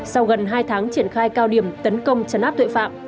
sau gần hai tháng triển khai cao điểm tấn công chấn áp tội phạm